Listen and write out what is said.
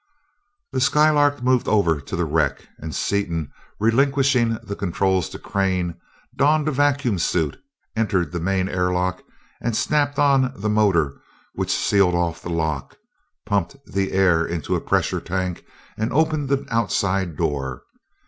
The Skylark moved over to the wreck and Seaton, relinquishing the controls to Crane, donned a vacuum suit, entered the main air lock and snapped on the motor which sealed off the lock, pumped the air into a pressure tank, and opened the outside door.